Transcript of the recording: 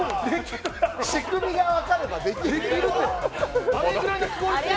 仕組みが分かればできる。